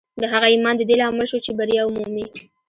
د هغه ایمان د دې لامل شو چې بریا ومومي